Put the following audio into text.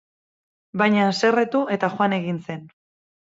Baina haserretu eta joan egin zen.